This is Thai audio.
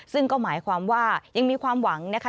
ซึ่งก็หมายความว่ายังมีความหวังนะคะ